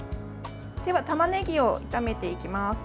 では、たまねぎを炒めていきます。